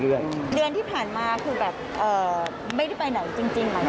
เดือนที่ผ่านมาคือแบบไม่ได้ไปไหนจริงหรือเปล่า